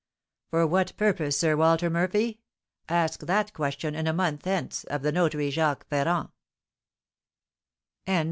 "For what purpose, Sir Walter Murphy? Ask that question, in a month hence, of the notary, Jacques Ferrand."